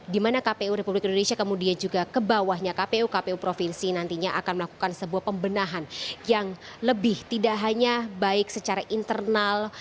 dimana kpu republik indonesia kemudian juga kebawahnya kpu kpu provinsi nantinya akan melakukan sebuah pembenahan yang lebih tidak hanya baik secara internal